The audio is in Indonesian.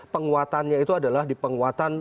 penguatannya itu adalah di penguatan